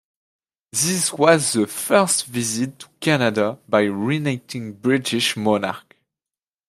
This was the first visit to Canada by a reigning British monarch.